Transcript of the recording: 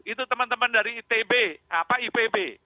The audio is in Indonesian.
itu teman teman dari itb ipb